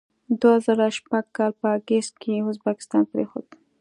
دوه زره شپږ کال په اګست کې یې ازبکستان پرېښود.